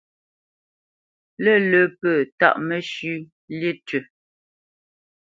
Lə̂lə̄ pə̂ tâʼ məshʉ̂ lí tʉ̂.